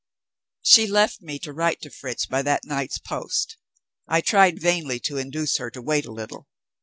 She left me to write to Fritz by that night's post. I tried vainly to induce her to wait a little.